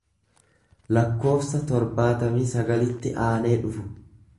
lakkoofsa torbaatamii sagalitti aanee dhufu.